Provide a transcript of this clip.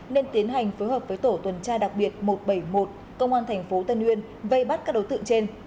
nên tiến hành phối hợp với tổ tuần tra đặc biệt một trăm bảy mươi một công an tp tân uyên vây bắt các đối tượng trên